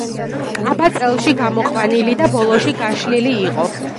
კაბა წელში გამოყვანილი და ბოლოში გაშლილი იყო.